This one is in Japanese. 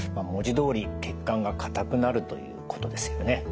文字どおり血管が硬くなるということですよね。